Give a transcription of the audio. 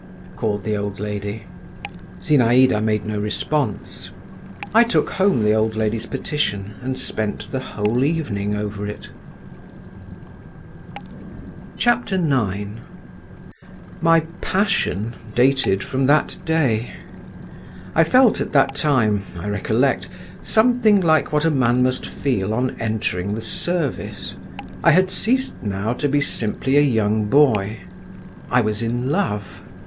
called the old lady. Zinaïda made no response. I took home the old lady's petition and spent the whole evening over it. IX My "passion" dated from that day. I felt at that time, I recollect, something like what a man must feel on entering the service: I had ceased now to be simply a young boy; I was in love.